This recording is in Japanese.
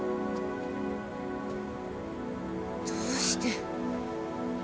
どうして。